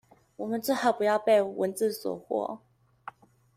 我們最好不要被文字所惑